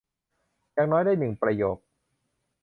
อย่างน้อยได้หนึ่งประโยค